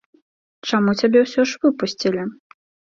Чаму цябе ўсё ж выпусцілі?